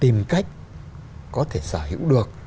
tìm cách có thể sở hữu được